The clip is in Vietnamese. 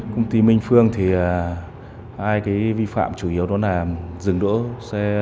công ty minh phương thì hai cái vi phạm chủ yếu đó là dừng đỗ xe